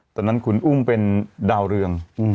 ตอนนั้นคุณอุ้มเป็นดาวเรือง